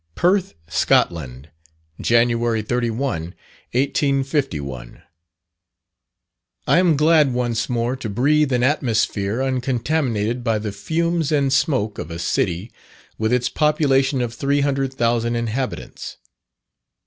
_ PERTH, SCOTLAND, Jan. 31, 1851. I am glad once more to breathe an atmosphere uncontaminated by the fumes and smoke of a city with its population of three hundred thousand inhabitants.